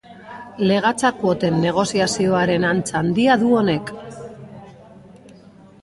Legatza kuoten negoziazioaren antza handia du honek.